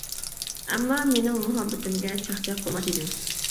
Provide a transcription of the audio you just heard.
ئەمما مىنىڭ مۇھەببىتىمگە چاقچاق قىلما جىنىم!